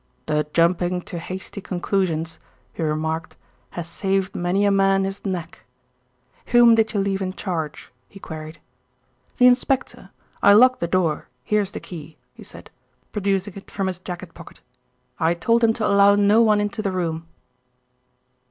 "The jumping to hasty conclusions," he remarked, "has saved many a man his neck. Whom did you leave in charge?" he queried. "The inspector. I locked the door; here is the key," he said, producing it from his jacket pocket. "I told him to allow no one into the room."